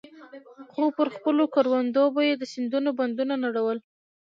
خو پر خپلو کروندو به يې د سيندونو بندونه نړول.